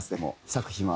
作品は。